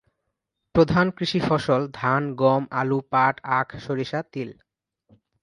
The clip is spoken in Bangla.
প্রধান কৃষি ফসল ধান, গম, আলু, পাট, আখ, সরিষা, তিল।